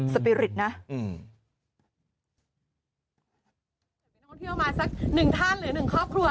สปีริตนะ